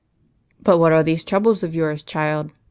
" But what are these troubles of yours, child